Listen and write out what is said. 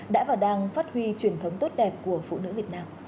đã và đang phát huy truyền thống tốt đẹp của phụ nữ việt nam